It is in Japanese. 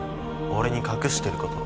俺に隠してること。